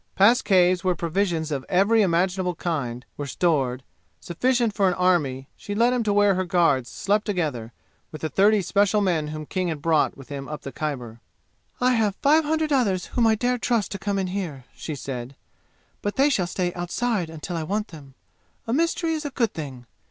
Past caves where provisions of every imaginable kind were stored, sufficient for an army, she led him to where her guards slept together with the thirty special men whom King had brought with him up the Khyber. "I have five hundred others whom I dare trust to come in here," she said, "but they shall stay outside until I want them. A mystery is a good thing!